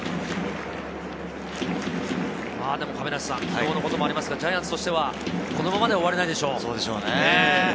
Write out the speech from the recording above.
昨日のこともありますが、ジャイアンツとしてはこのままでは終われないでしょう。